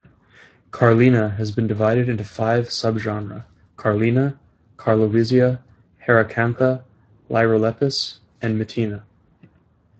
"Carlina" has been divided into five subgenera: "Carlina", "Carlowizia", "Heracantha", "Lyrolepis", and "Mitina".